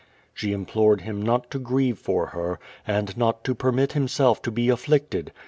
She implored him not to grieve for her, and not to permit himself to be afiiicted.